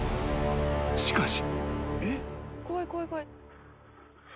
［しかし］